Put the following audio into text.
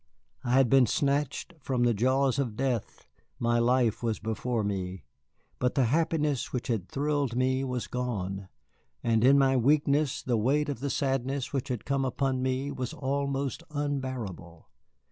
I had been snatched from the jaws of death, my life was before me, but the happiness which had thrilled me was gone, and in my weakness the weight of the sadness which had come upon me was almost unbearable.